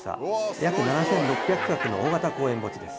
約７６００区画の大型公園墓地です。